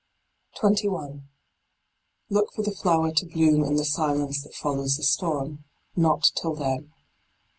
21. Look for the flower to bloom in the silence that follows the storm : not till then.